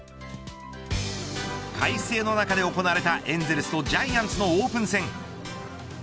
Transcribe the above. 快晴の中で行われたエンゼルスとジャイアンツとのオープン戦。